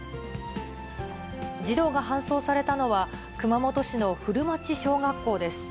児童が搬送されたのは、熊本市の古町小学校です。